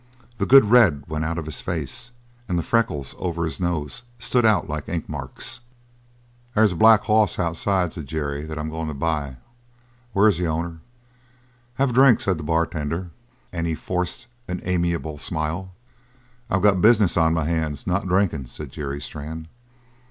The good red went out of his face and the freckles over his nose stood out like ink marks. "There's a black hoss outside," said Jerry, "that I'm going to buy. Where's the owner?" "Have a drink," said the bartender, and he forced an amiable smile. "I got business on my hands, not drinking," said Jerry Strann.